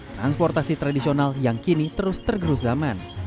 transportasi tradisional yang kini terus tergerus zaman